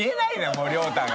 もう諒太が。